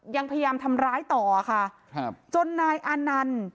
ยังพยายามทำร้ายต่อค่ะครับจนนายอานันต์